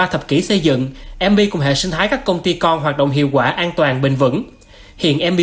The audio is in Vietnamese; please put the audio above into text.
năm xây dựng mb cùng hệ sinh thái các công ty con hoạt động hiệu quả an toàn bình vẩn hiện mb